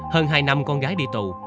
hơn hai năm con gái đi tù